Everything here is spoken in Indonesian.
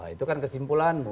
itu kan kesimpulan